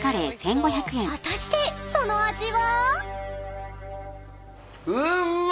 ［果たしてその味は？］